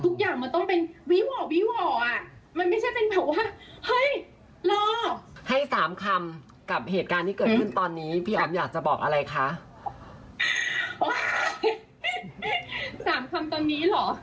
๓คำไม่รู้จะใช้คำไหนไง